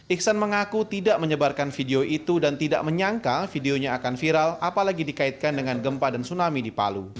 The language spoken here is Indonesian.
iksan mengaku tidak menyebarkan video itu dan tidak menyangka videonya akan viral apalagi dikaitkan dengan gempa dan tsunami di palu